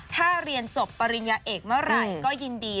ถ้าเรียนจบปริญญาเอกเมื่อไหร่ก็ยินดี